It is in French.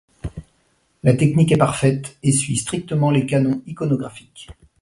La technique est parfaite et suit strictement les canons iconographiques.